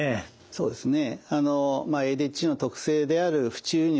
そうですね。